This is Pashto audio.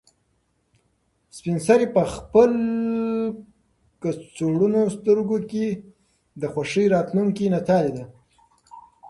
سپین سرې په خپل کڅوړنو سترګو کې د خوښۍ راتلونکې نڅا لیده.